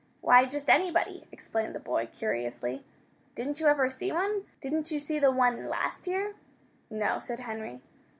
"Why, just anybody," explained the boy, curiously. "Didn't you ever see one? Didn't you see the one last year?" "No," said Henry.